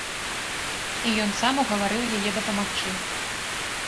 І ён сам угаварыў яе дапамагчы.